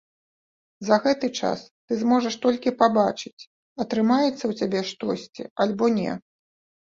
За гэты час ты зможаш толькі пабачыць, атрымаецца ў цябе штосьці альбо не.